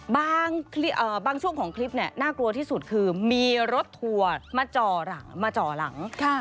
บางช่วงของคลิปนี่น่ากลัวที่สุดคือมีรถถัวมาจ่อหลัง